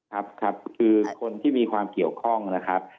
ครับครับคือคนที่มีความเกี่ยวข้องนะครับ